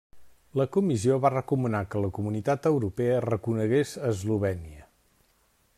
La Comissió va recomanar que la Comunitat Europea reconegués Eslovènia.